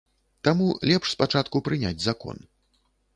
Таму лепш спачатку прыняць закон.